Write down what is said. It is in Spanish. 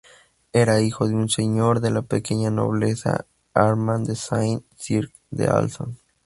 Era hijo de un señor de la pequeña nobleza, Arman de Saint-Circ d’Alzon.